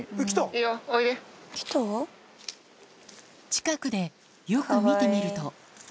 近くでよく見てみると。